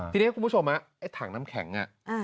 ทีนี้คุณผู้ชมไอ้ถังน้ำแข็ง